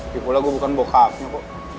di pula gue bukan bokapnya kok